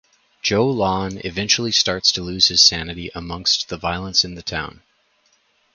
Joe Lon eventually starts to lose his sanity amongst the violence in the town.